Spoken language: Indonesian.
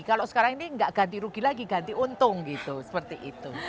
kalau sekarang ini nggak ganti rugi lagi ganti untung gitu seperti itu